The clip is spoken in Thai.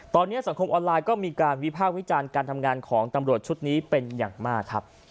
ตอนนี้สังคมออนไลน์ก็มีการวิภาควิจารณ์การทำงานของตำรวจชุดนี้เป็นอย่างมากครับ